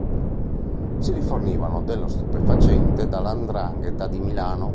Si rifornivano dello stupefacente dalla 'ndrangheta di Milano.